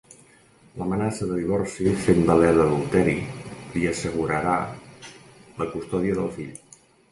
L'amenaça de divorci fent valer l'adulteri, li assegurarà la custòdia del fill.